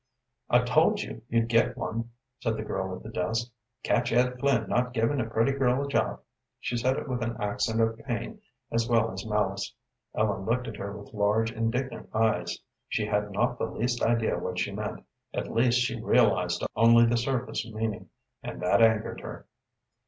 "I told you you'd get one," said the girl at the desk. "Catch Ed Flynn not giving a pretty girl a job." She said it with an accent of pain as well as malice. Ellen looked at her with large, indignant eyes. She had not the least idea what she meant, at least she realized only the surface meaning, and that angered her.